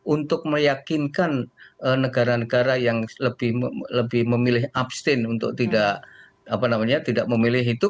untuk meyakinkan negara negara yang lebih memilih abstain untuk tidak memilih itu